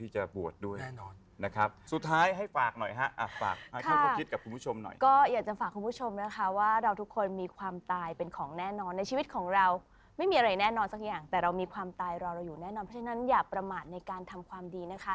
ช่องข้างหน้าห้ามพระราชครับ